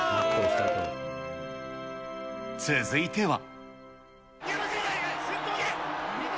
続いては。